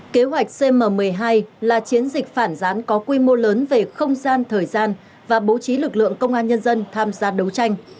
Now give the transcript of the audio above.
kế hoạch cm một mươi hai là chiến dịch phản gián có quy mô lớn về không gian thời gian và bố trí lực lượng công an nhân dân tham gia đấu tranh